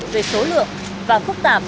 về số lượng và phức tạp